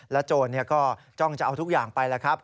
และโจรก็ต้องจะเอาทุกอย่างไปละครับ